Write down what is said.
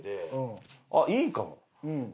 あっいいかも。